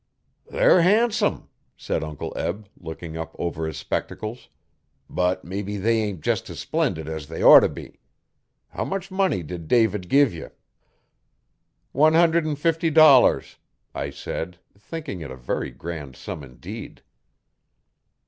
'They're han'some,' said Uncle Eb, looking up over his spectacles, 'but mebbe they ain't just as splendid as they'd orter be. How much money did David give ye?' 'One hundred and fifty dollars,' I said, thinking it a very grand sum indeed.